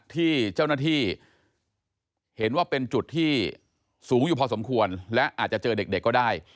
ที่เจ้าหน้าที่เห็นว่าเป็นจุดที่สูงอยู่พอสมควรและอาจจะเจอเด็กก็ได้